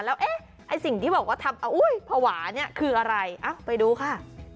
แล้วเอ๊ะไอ้สิ่งที่บอกว่าทำเอาอุ้ยภาวะเนี่ยคืออะไรไปดูค่ะ